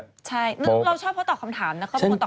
ใช่เราชอบเขาตอบคำถามนะเขาตอบคำถามกันไม่เป็นไร